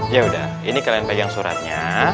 ya udah ini kalian pegang suratnya